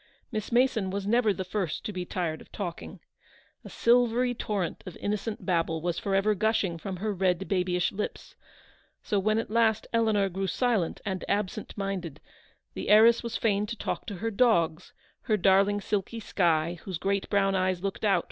Miss Mason was never the first to be tired of talking. A silvery torrent of innocent babble was for ever gushing from her red, babyish lips ; so, when at last Eleanor grew silent and absent minded, the heiress was fain to talk to her dogs ; her darling silky Skye, whose great brown eyes looked out THE PRODIGAL'S RETURN.